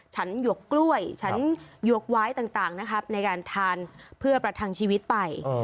หยวกกล้วยฉันหยวกวายต่างนะครับในการทานเพื่อประทังชีวิตไป